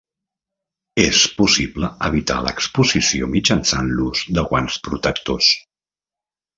És possible evitar l'exposició mitjançant l'ús de guants protectors.